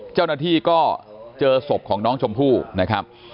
เจ้าหน้าที่ก็เจอศพของน้องชมพู่นะครับ